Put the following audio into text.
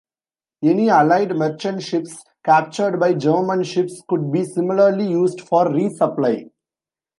Any Allied merchant ships captured by German ships could be similarly used for resupply.